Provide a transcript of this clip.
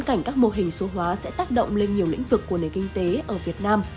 cảnh các mô hình số hóa sẽ tác động lên nhiều lĩnh vực của nền kinh tế ở việt nam